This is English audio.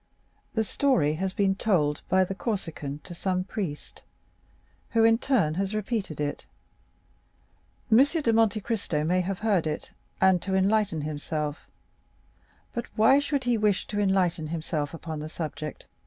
The story has been told by the Corsican to some priest, who in his turn has repeated it. M. de Monte Cristo may have heard it, and to enlighten himself—— "But why should he wish to enlighten himself upon the subject?"